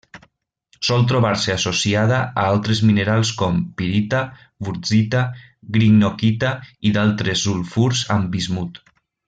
Sol trobar-se associada a altres minerals com: pirita, wurtzita, greenockita i d'altres sulfurs amb bismut.